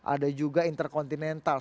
ada juga interkontinental